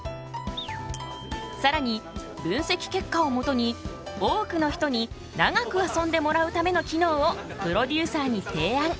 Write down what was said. さらに分析結果をもとに多くの人に長く遊んでもらうための機能をプロデューサーに提案。